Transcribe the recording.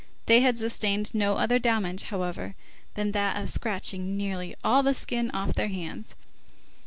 They had sustained no other damage, however, than that of scratching nearly all the skin off their hands.